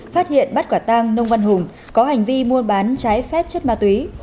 phát hiện bắt quả tang nông văn hùng có hành vi mua bán trái phép chất ma túy